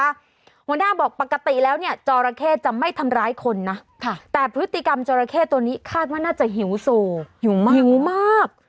หัวหน้าบอกปกติแล้วเนี่ยจอราเข้จะไม่ทำร้ายคนนะแต่พฤติกรรมจราเข้ตัวนี้คาดว่าน่าจะหิวโซหิวมากหิวมาก